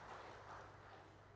jadi kami berharap